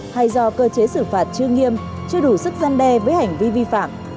hay do cơ chế xử phạt chưa nghiêm chưa đủ sức gian đe với hành vi vi phạm